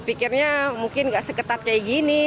pikirnya mungkin gak seketat kayak gini